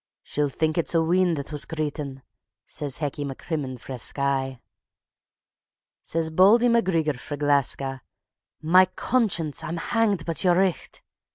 "She'll think it's a wean that wass greetin'," says Hecky MacCrimmon frae Skye. Says Bauldy MacGreegor frae Gleska: "Ma conscience! I'm hanged but yer richt.